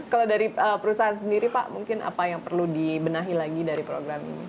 kalau dari perusahaan sendiri pak mungkin apa yang perlu dibenahi lagi dari program ini